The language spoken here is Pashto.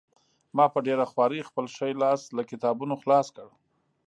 ما په ډېره خوارۍ خپل ښی لاس له کتابونو خلاص کړ